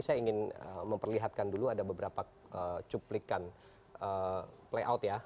saya ingin memperlihatkan dulu ada beberapa cuplikan playout ya